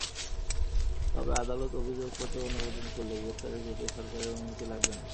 তবে আদালত অভিযোগপত্র অনুমোদন করলে গ্রেপ্তারের ক্ষেত্রে সরকারের অনুমতি লাগবে না।